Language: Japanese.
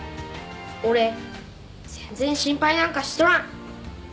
俺全然心配なんかしとらん。